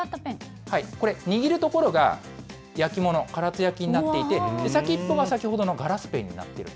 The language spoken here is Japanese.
これ、握るところが焼き物、唐津焼になっていて、先っぽが先ほどのガラスペンになっていると。